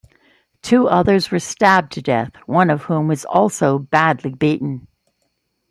Two others were stabbed to death, one of whom was also badly beaten.